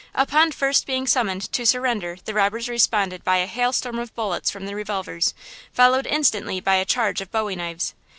Upon first being summoned to surrender the robbers responded by a hail storm of bullets from their revolvers, followed instantly by a charge of bowie knives.